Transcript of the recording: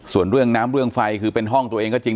ส่วนเรื่องน้ำเรื่องไฟคือเป็นห้องตัวเองก็จริง